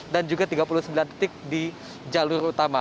dan juga tiga puluh sembilan titik di jalur utama